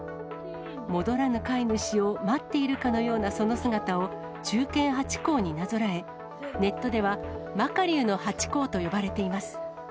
戻らぬ飼い主を待っているかのような、その姿を忠犬ハチ公になぞらえ、ネットでは、マカリウのハチ公と呼ばれています。